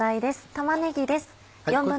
玉ねぎです。